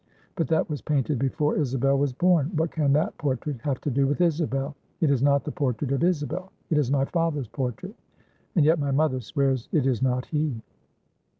But that was painted before Isabel was born; what can that portrait have to do with Isabel? It is not the portrait of Isabel, it is my father's portrait; and yet my mother swears it is not he.